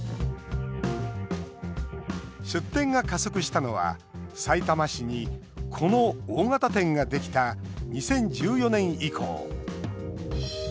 出店が加速したのはさいたま市にこの大型店ができた２０１４年以降。